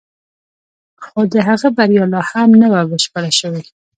خو د هغه بریا لا هم نه وه بشپړه شوې